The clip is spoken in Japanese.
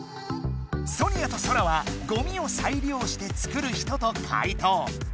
ソニアとソラはゴミをさいりようして作る人と解答。